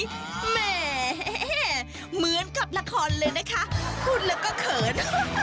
แหมเหมือนกับละครเลยนะคะพูดแล้วก็เขิน